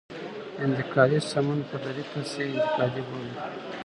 انتقادي سمون په دري تصحیح انتقادي بولي.